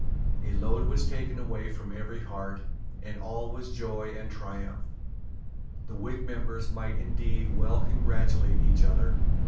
A load was taken away from every heart; and all was joy and triumph. The Whig members might indeed well congratulate each other.